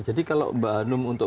jadi kalau mbak hanum untuk